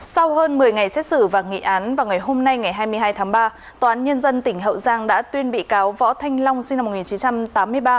sau hơn một mươi ngày xét xử và nghị án vào ngày hôm nay ngày hai mươi hai tháng ba tòa án nhân dân tỉnh hậu giang đã tuyên bị cáo võ thanh long sinh năm một nghìn chín trăm tám mươi ba